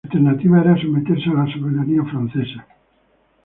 La alternativa era someterse a la soberanía francesa.